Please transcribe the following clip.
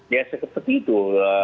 ya seperti itu